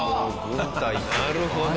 なるほど。